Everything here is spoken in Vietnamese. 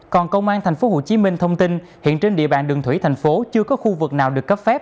còn công an tp hcm thông tin hiện trên địa bàn đường thủy thành phố chưa có khu vực nào được cấp phép